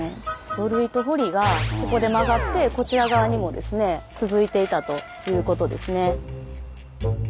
土塁と堀がここで曲がってこちら側にもですね続いていたということですね。